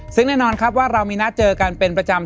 ซึ่งแน่นอนครับว่าเรามีนัดเจอกันเป็นประจำ